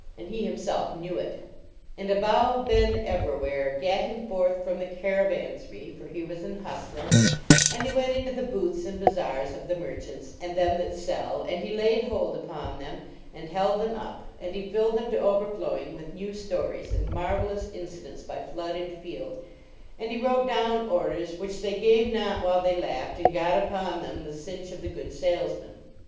And he himself knew it. And Abou Ben Evrawhair gat him forth from the caravanserai, for he was an hustler, and he went into the booths and bazars of the merchants and them that sell, and he laid hold upon them and held them up, and he filled them to overflowing with new stories and marvelous incidents by flood and field, and he wrote down orders which they gave 226 THE LEGEND OF THE GOOD DRUMMTH not while they laughed, and got upon them the cinch of the good salesman.